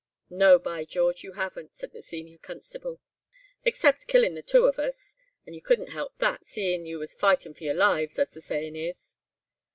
"'No, by George, you haven't,' said the senior constable, 'except killin' the two of us, and you couldn't help that, seein' you was fightin' for your lives, as the sayin' is.